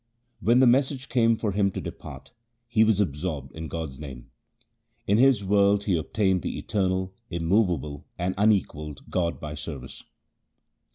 When the message came for him to depart, he was absorbed in God's name. In this world he obtained the eternal, immovable, and unequalled God by service.